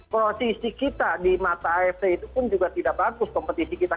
posisi kita di mata afc itu pun juga tidak bagus kompetisi kita